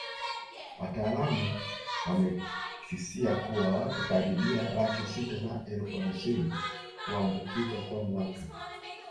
Wataalamu wamekisia kuwa watu karibia laki sita na elfu hamsini huambukizwa kwa mwaka